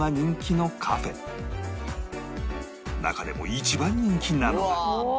中でも一番人気なのが